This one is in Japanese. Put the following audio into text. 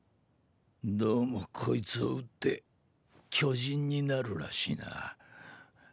どうもこいつを打って巨人になるらしいな。